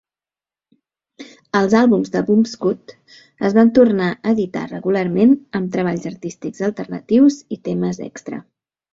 Els àlbums de Wumpscut es van tornar a editar regularment amb treballs artístics alternatius i temes extra.